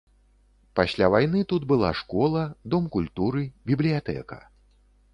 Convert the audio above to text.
Пасля вайны тут была школа, дом культуры, бібліятэка.